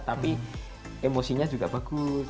tapi emosinya juga bagus